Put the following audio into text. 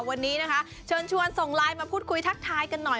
วันนี้นะคะเชิญชวนส่งไลน์มาพูดคุยทักทายกันหน่อย